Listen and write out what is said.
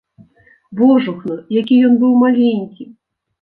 Божухна, які ён быў маленькі!